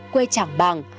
quê trảng bằng